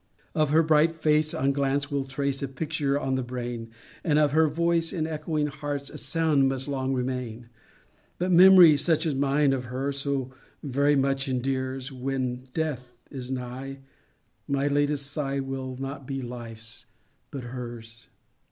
Of her bright face one glance will trace A picture on the brain, And of her voice in echoing hearts A sound must long remain; But memory, such as mine of her, So very much endears, When death is nigh my latest sigh Will not be life's, but hers.